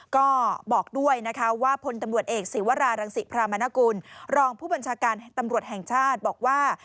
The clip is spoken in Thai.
ก็บอกด้วยนะคะว่าพลตำรวจเอกศีวรารังศิพรามนกุลรองผู้บัญชาการตำรวจแห่งชาติบอกว่า